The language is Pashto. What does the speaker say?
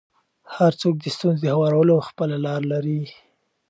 هر څوک د ستونزو د هوارولو خپله لاره لري.